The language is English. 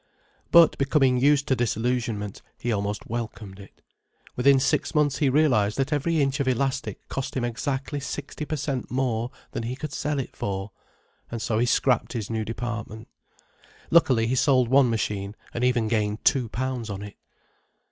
But, becoming used to disillusionment, he almost welcomed it. Within six months he realized that every inch of elastic cost him exactly sixty per cent. more than he could sell it for, and so he scrapped his new department. Luckily, he sold one machine and even gained two pounds on it.